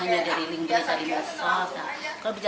film tahu jenis kasnya apalagi pelakunya